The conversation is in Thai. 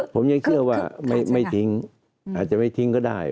ผมยังเชื่อว่าไม่ทิ้งอาจจะไม่ทิ้งก็ได้